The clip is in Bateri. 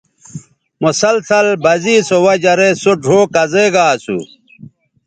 مسلسل بزے سو وجہ رے سو ڙھؤ کزے گا اسو